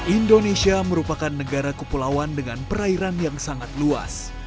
indonesia merupakan negara kepulauan dengan perairan yang sangat luas